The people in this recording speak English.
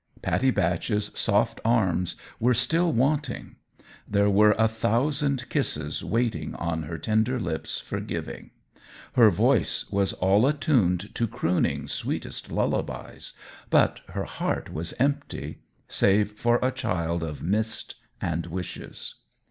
Pattie Batch's soft arms were still wanting; there were a thousand kisses waiting on her tender lips for giving; her voice was all attuned to crooning sweetest lullabys; but her heart was empty save for a child of mist and wishes.